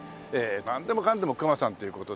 なんでもかんでも隈さんっていう事でね